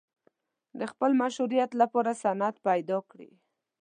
د خپل مشروعیت لپاره سند پیدا کړي.